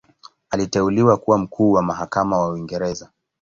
Aliteuliwa kuwa Mkuu wa Mahakama wa Uingereza.